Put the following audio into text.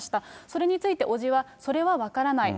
それについて、伯父はそれは分からない。